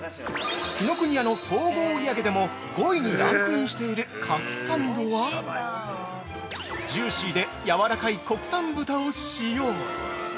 ◆紀ノ国屋の総合売り上げでも５位にランクインしているかつサンドは、ジューシーでやわらかい国産豚を使用。